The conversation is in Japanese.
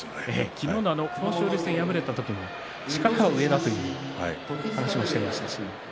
昨日も豊昇龍戦敗れた時も力は上だと話をしていました。